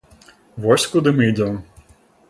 Вось куды мы ідзём.